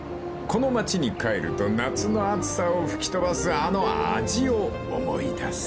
［この町に帰ると夏の暑さを吹き飛ばすあの味を思い出す］